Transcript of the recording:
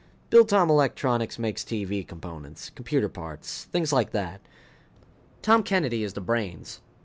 Biltom Electronics makes TV components, computer parts, things like that. Tom Kennedy is the brains.